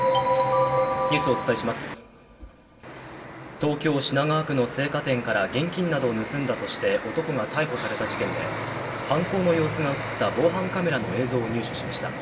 東京・品川区の青果店から現金などを盗んだとして男が逮捕された事件で犯行の様子が映った防犯カメラの映像を入手しました。